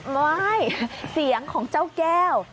ไม่เสียงของเจ้าแก้ว